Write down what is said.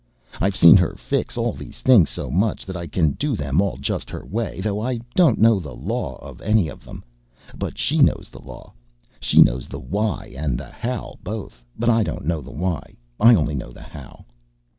I've seen her fix all these things so much that I can do them all just her way, though I don't know the law of any of them. But she knows the law. She knows the why and the how both; but I don't know the why; I only know the how."